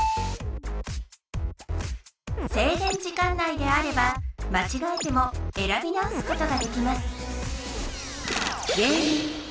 せいげん時間内であればまちがえてもえらび直すことができます